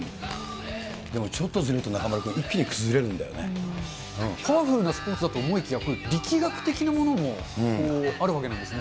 でもちょっとずれると、パワフルなスポーツだと思いきや、力学的なものもあるわけなんですね。